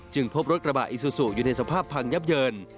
พบรถกระบะอิซูซูอยู่ในสภาพพังยับเยิน